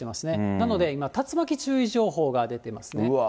なので今、竜巻注意情報が出てますね。